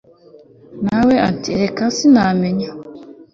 nawe ati reka sinamenya